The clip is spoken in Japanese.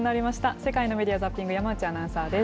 世界のメディア・ザッピング、山内アナウンサーです。